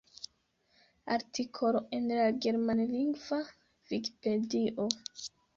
Artikolo en la Germanlingva vikipedio.